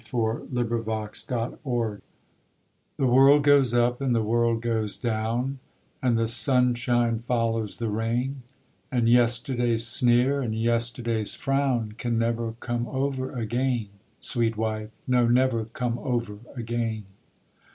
DOLCINO TO MARGARET The world goes up and the world goes down, And the sunshine follows the rain; And yesterday's sneer and yesterday's frown Can never come over again, Sweet wife: No, never come over again.